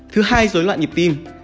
thứ hai dối loạn nhịp tim